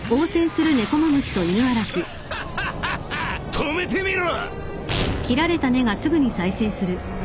止めてみろ！